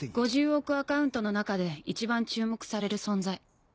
「５０億アカウントの中で一番注目される存在」。